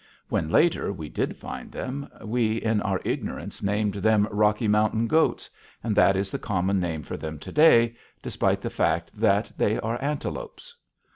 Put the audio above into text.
When, later, we did find them, we in our ignorance named them Rocky Mountain goats, and that is the common name for them to day, despite the fact that they are antelopes.